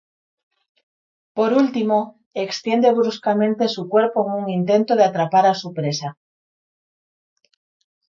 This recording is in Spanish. Por último, extiende bruscamente su cuerpo en un intento de atrapar a su presa.